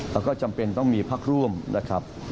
แล้วก็จำเป็นต้องมีพักร่วมนะครับ